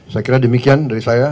saya kira demikian dari saya